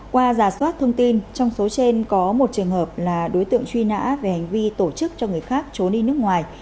qua giả soát thông tin trong số trên có một trường hợp là đối tượng truy nã về hành vi tổ chức cho người khác trốn đi nước ngoài